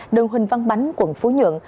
đường huỳnh văn bánh quận phú nhuận